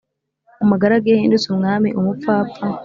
Umugaragu iyo ahindutse umwami umupfapfa